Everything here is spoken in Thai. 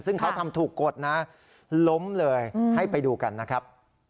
ซึ่งเขาทำถูกกดนะล้มเลยให้ไปดูกันนะครับ